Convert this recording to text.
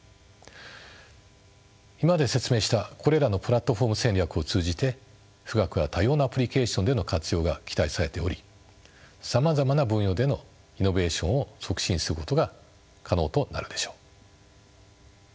今まで説明したこれらのプラットフォーム戦略を通じて富岳は多様なアプリケーションでの活用が期待されておりさまざまな分野でのイノベーションを促進することが可能となるでしょう。